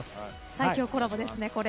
最強コラボですね。